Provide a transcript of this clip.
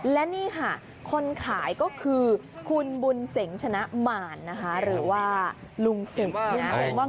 และนี่ค่ะคนขายก็คือคุณบุญเสงชนะมารนะคะหรือว่าลุงศึกนะ